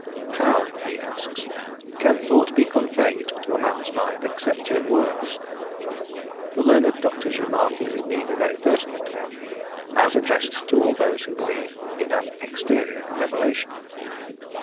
"How," he asks, "can thought be conveyed to a man's mind except through words?" The learned doctor's remark is indeed a very pertinent one, as addressed to all those who believe in an exterior revelation.